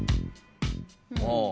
ああ。